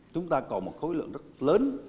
chúng ta có một khối lượng rất lớn